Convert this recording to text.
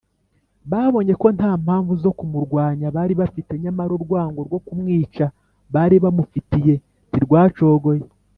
Babonye ko nta mpamvu zo kumurwanya bari bafite, nyamara urwango rwo kumwica bari bamufitiye ntirwacogoye